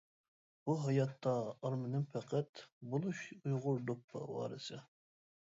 بۇ ھاياتتا ئارمىنىم پەقەت، بولۇش ئۇيغۇر دوپپا ۋارىسى!